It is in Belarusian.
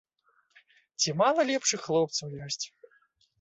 Ці мала лепшых хлопцаў ёсць?